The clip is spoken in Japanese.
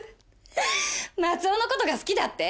松尾のことが好きだって？